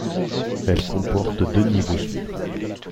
Elle comporte deux niveaux.